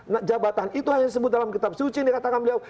nah jabatan itu hanya disebut dalam kitab suci yang dikatakan beliau